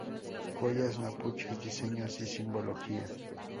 Joyas Mapuches: diseños y simbología